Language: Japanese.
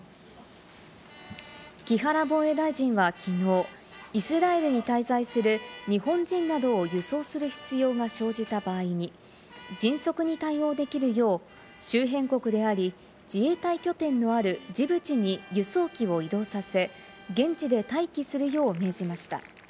木原防衛大臣は昨日、イスラエルに滞在する日本人などを輸送する必要が生じた場合に、迅速に対応できるよう、周辺国であり、自衛隊拠点のあるジブチに輸送機を移動させ、現地で待機するよう命じました。